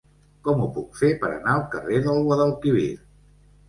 Com ho puc fer per anar al carrer del Guadalquivir?